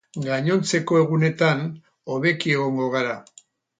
Gainontzeko egunetan hobeki egongo gara.